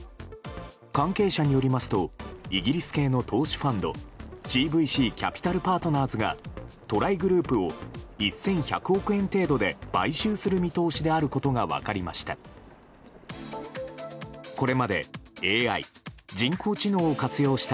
関係者によりますとイギリス系の投資ファンドＣＶＣキャピタル・パートナーズがトライグループを１１００億円程度で買収する見通しであることが分かりました。